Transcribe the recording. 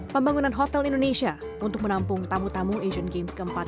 pembangunan hotel indonesia untuk menampung tamu tamu asian games keempat